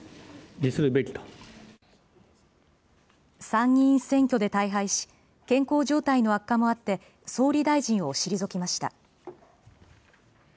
参議院選挙で大敗し、健康状態の悪化もあって総理大臣を退きました。